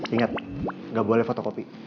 ingat gak boleh fotokopi